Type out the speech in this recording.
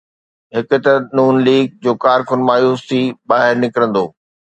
هڪ ته نون ليگ جو ڪارڪن مايوس ٿي ٻاهر نڪرندو.